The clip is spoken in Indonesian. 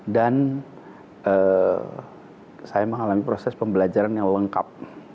dan saya mengalami proses pembelajaran yang lengkap